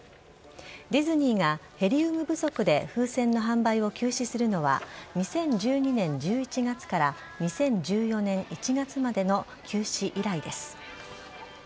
ディズニーがヘリウム不足で風船の販売を休止するのは、２０１２年１１月から２０１４年１月までの休止以来です。